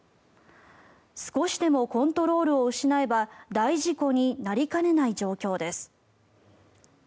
少しでもコントロールを失えば大事故になりかねない状況です。